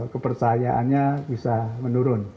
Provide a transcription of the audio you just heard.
kepercayaannya bisa menurun